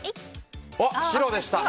白でした。